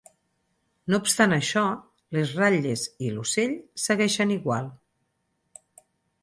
No obstant això, les ratlles i l'"ocell" segueixen igual.